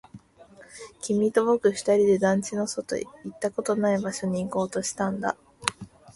君と僕二人で団地の外、行ったことのない場所に行こうとしたんだ